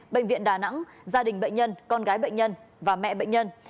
bệnh viện đà nẵng gia đình bệnh nhân con gái bệnh nhân và mẹ bệnh nhân